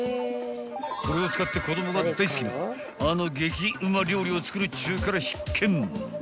［これを使って子供が大好きなあの激うま料理を作るっちゅうから必見］